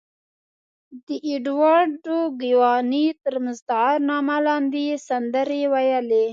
د اېډوارډو ګیواني تر مستعار نامه لاندې یې سندرې ویلې.